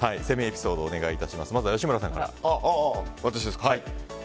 まずは吉村さんから。